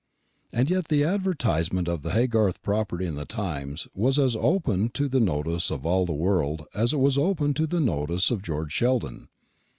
And yet the advertisement of the Haygarth property in the Times was as open to the notice of all the world as it was open to the notice of George Sheldon.